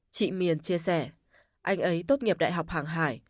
chị miền chia sẻ anh ấy tốt nghiệp đại học hàng hải